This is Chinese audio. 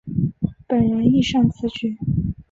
本人亦擅词曲。